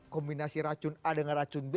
kombinasi racun a dengan racun b